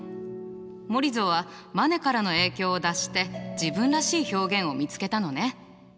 モリゾはマネからの影響を脱して自分らしい表現を見つけたのね。